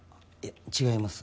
違います。